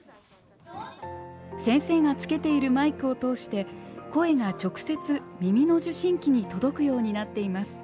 先生がつけているマイクを通して声が直接耳の受信機に届くようになっています。